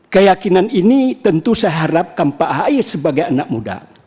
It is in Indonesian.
keyakinan ini tentu saya harapkan pak ahy sebagai anak muda